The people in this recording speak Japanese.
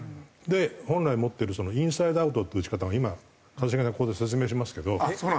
本来持ってるインサイドアウトっていう打ち方が今一茂さんがここで説明しますけど。